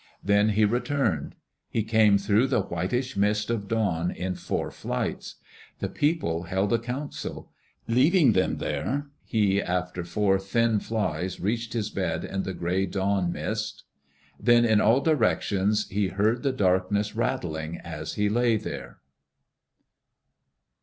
Then he returned. He came through the whitish mist of dawn in four flights. The people held a council. Leaving them there, he after four thin flys reached his bed in the gray dawn mist. Then in all directions he heard the darkness rattling, as he lay there.